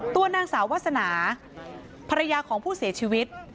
ตัวนางสาววาสนาภรรยาของผู้เสียชีวิต